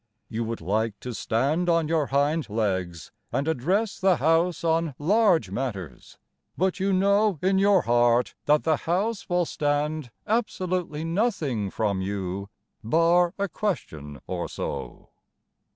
You would like to stand on your hind legs And address the House on large matters: But you know in your heart That the House will stand absolutely nothing from you Bar a question or so.